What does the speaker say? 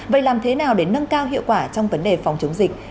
vậy làm thế nào để nâng cao hiệu quả trong vấn đề phòng chống dịch